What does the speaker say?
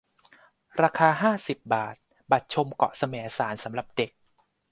ราคา ห้าสิบ บาท บัตรชมเกาะแสมสารสำหรับเด็ก